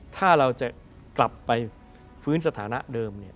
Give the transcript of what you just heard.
ถ้าเราจะกลับไปฟื้นสถานะเดิมเนี่ย